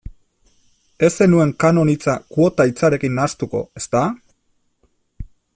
Ez zenuen kanon hitza kuota hitzarekin nahastuko, ezta?